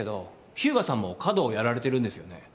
秘羽我さんも華道やられてるんですよね？